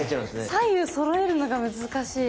左右そろえるのが難しい。